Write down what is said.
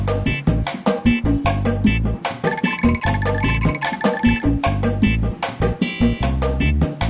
ada kartu perdana